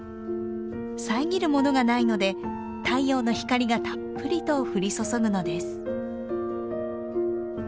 遮るものがないので太陽の光がたっぷりと降り注ぐのです。